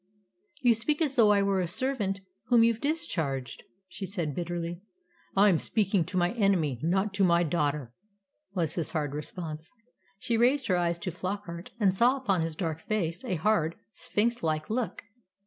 "You speak as though I were a servant whom you've discharged," she said bitterly. "I am speaking to my enemy, not to my daughter," was his hard response. She raised her eyes to Flockart, and saw upon his dark face a hard, sphinx like look.